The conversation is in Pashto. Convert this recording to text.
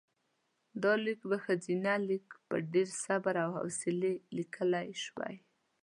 دا لیک په ښځینه لیک په ډېر صبر او حوصلې لیکل شوی و.